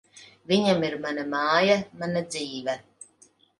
Viņam ir mana māja, mana dzīve.